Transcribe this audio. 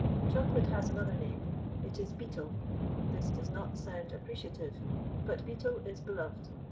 Chocolate has another name. It is Beetle. This does not sound appreciative, but Beetle is beloved.